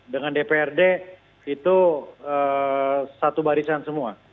dengan dprd itu satu barisan semua